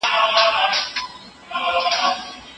هر کال په کائنات کې څو سوه سوپرنووا رامنځته کېږي.